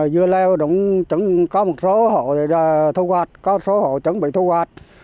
dưa leo có một số hộ thu hoạch có một số hộ chuẩn bị thu hoạch